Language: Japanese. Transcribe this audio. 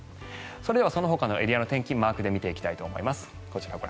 それではそのほかのエリアの天気マークで見ていきたいと思います。